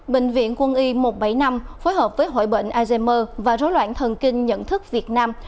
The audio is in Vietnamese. bệnh viện quân y một trăm bảy mươi năm phối hợp với hội bệnh alzheimer và rối loạn thần kinh nhận thức việt nam